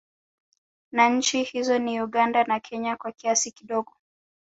Na Nchi hizo ni Uganda na Kenya kwa kiasi kidogo